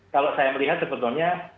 kalau saya melihat sebetulnya